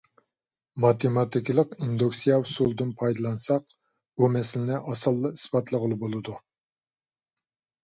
ماتېماتىكىلىق ئىندۇكسىيە ئۇسۇلىدىن پايدىلانساق، بۇ مەسىلىنى ئاسانلا ئىسپاتلىغىلى بولىدۇ.